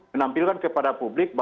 menampilkan kepada pemerintah